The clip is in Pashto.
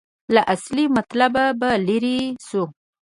له اصلي مطلبه به لرې شو.